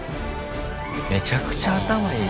めちゃくちゃ頭いい。